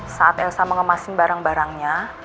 saat elsa mengemasin barang barangnya